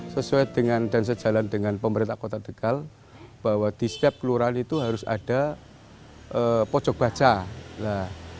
sesuai dengan dan sejalan dengan pemerintah kota tegal bahwa di setiap kelurahan itu harus ada pojok baca